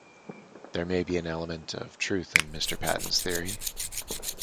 There may be an element of truth in Mr. Patton's theory.